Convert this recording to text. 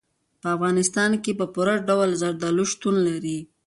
په افغانستان کې په پوره ډول زردالو شتون لري.